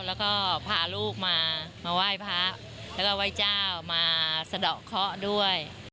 แล้วก็พาลูกมามาไหว้พระแล้วก็ไหว้เจ้ามาสะดอกเคาะด้วย